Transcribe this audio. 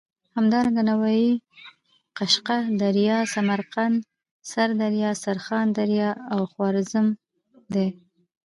همدارنګه نوايي، قشقه دریا، سمرقند، سردریا، سرخان دریا او خوارزم دي.